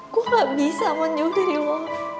gue gak bisa mau jauh dari lo